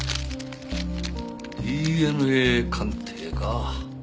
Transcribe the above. ＤＮＡ鑑定か。